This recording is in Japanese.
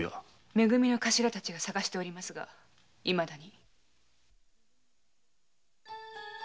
「め組」のカシラたちが捜しておりますがいまだに。